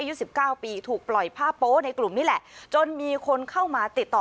อายุ๑๙ปีถูกปล่อยภาพโป๊ะในกลุ่มนี่แหละจนมีคนเข้ามาติดต่อ